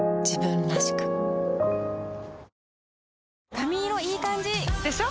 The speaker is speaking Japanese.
髪色いい感じ！でしょ？